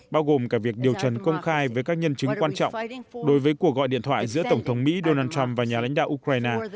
bao gồm cả việc điều trần công khai với các nhân chứng quan trọng đối với cuộc gọi điện thoại giữa tổng thống mỹ donald trump và nhà lãnh đạo ukraine